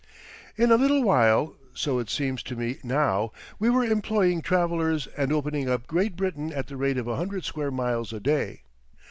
In a little while—so it seems to me now—we were employing travelers and opening up Great Britain at the rate of a hundred square miles a day.